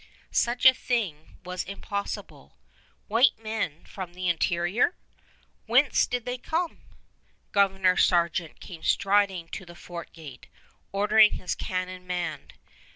Such a thing was impossible. "White men from the interior! Whence did they come?" Governor Sargeant came striding to the fort gate, ordering his cannon manned.